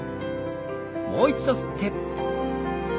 もう一度吸って吐いて。